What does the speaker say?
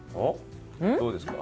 どうですか？